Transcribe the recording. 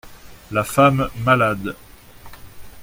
La femme malade.